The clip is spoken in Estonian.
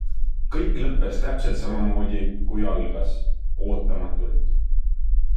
Kõik lõppes täpselt samamoodi, kui algas - ootamatult.